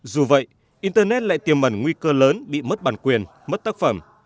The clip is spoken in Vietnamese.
dù vậy internet lại tiềm mẩn nguy cơ lớn bị mất bản quyền mất tác phẩm